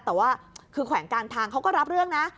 แต่ว่าคือแขวงการทางเขาก็รับเรื่องนะ